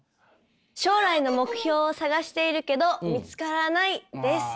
将来の目標を探しているけど見つからないです。